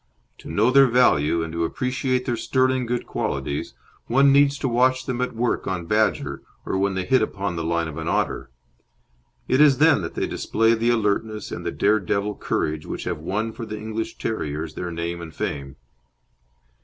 To know their value and to appreciate their sterling good qualities, one needs to watch them at work on badger or when they hit upon the line of an otter. It is then that they display the alertness and the dare devil courage which have won for the English terriers their name and fame.